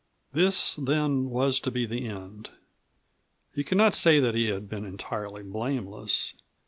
This, then, was to be the end. He could not say that he had been entirely blameless.